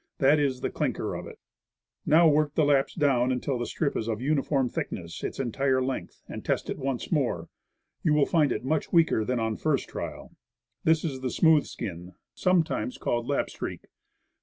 That is the clinker of it. Now work the laps down until the strip is of uni form thickness its entire length, and test it once more; you will find it much weaker than on first trial. That is the smooth skin, sometimes called lapstreak.